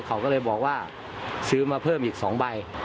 เขาก็เลยบอกว่าซื้อมาเพิ่มอีก๒ใบ